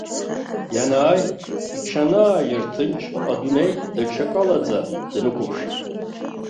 Ианааи, иҽанааирҭынч, адунеи даҽакалаӡа днықәыԥшит.